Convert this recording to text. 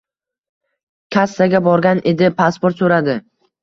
Kassaga borgan edi, pasport soʻradi.